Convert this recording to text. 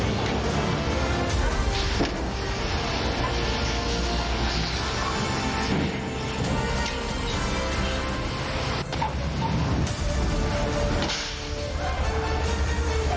โอ้โหแล้วใครจะกล้าขับผ่านจุดนี้นี่